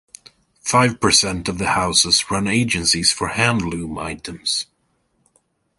Five percent of the houses run agencies for hand loom items.